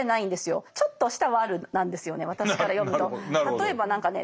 例えば何かね